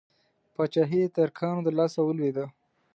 پاچهي د ترکانو د لاسه ولوېده.